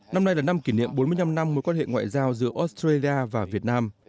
năm nay là năm kỷ niệm bốn mươi năm năm mối quan hệ ngoại giao giữa australia và việt nam